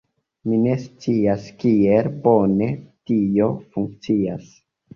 Mi ne scias kiel bone tio funkcias